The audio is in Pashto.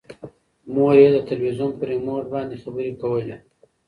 مور یې د تلویزون په ریموټ باندې خبرې کولې.